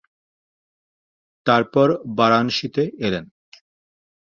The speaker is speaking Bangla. তারপর বারাণসীতে এলেন।